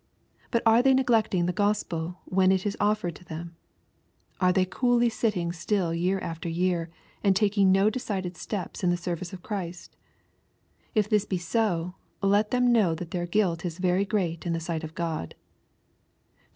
But are they neglecting the Gospel when it is offered to them ? Are they coolly sitting still year after year, and taking no decided steps in the service of Christ ? If this be so, let them know that their guilt is very great in the sight of God.